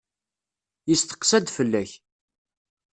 Yesteqsa-d fell-ak.